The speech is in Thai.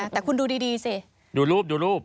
แต่คุณดูดีสิดูรูป